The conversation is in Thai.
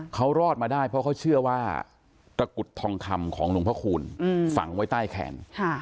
เขารอดมาได้เพราะเขาเชื่อว่าตระกุดทองคำของหลวงพระคูณฝังไว้ใต้แขน